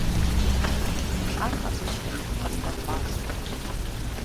Ар къэзгъуэтыжыху къэзбэмпӏар сыт?!